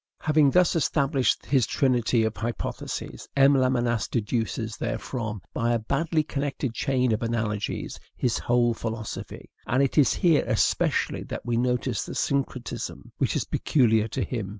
Having thus established his trinity of hypotheses, M. Lamennais deduces therefrom, by a badly connected chain of analogies, his whole philosophy. And it is here especially that we notice the syncretism which is peculiar to him.